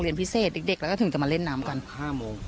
เรียนพิเศษนิดเด็กแล้วก็ถึงจะมาเล่นน้ำก่อนห้าโมง